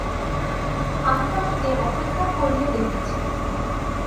আমি তোমাকে অপেক্ষা করিয়ে রেখেছি।